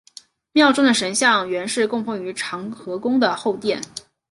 庙中的神像原是供奉于长和宫的后殿。